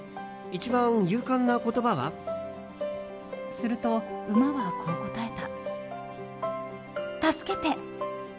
すると、馬はこう答えた。